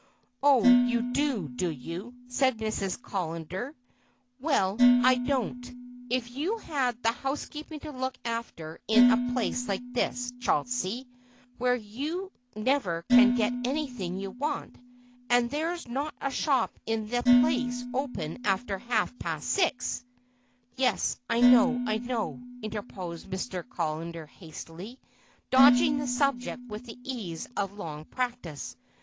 "Oh, you do, do you?" said Mrs. Callender. "Well, I don't. If you had the housekeeping to look after in a place like this, Chauncey, where you never can get anything you want, and there's not a shop in the place open after half past six—" "Yes, I know, I know," interposed Mr. Callender hastily, dodging the subject with the ease of long practice.